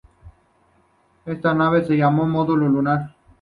Esta nave se llamó módulo lunar.